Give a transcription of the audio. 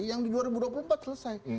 yang di dua ribu dua puluh empat selesai